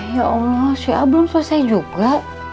ya allah si a belum selesai juga